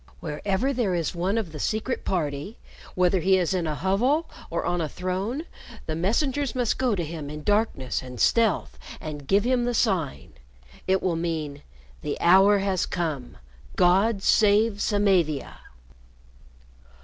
Wherever there is one of the Secret Party, whether he is in a hovel or on a throne, the messengers must go to him in darkness and stealth and give him the sign. It will mean, 'The hour has come. God save Samavia!'"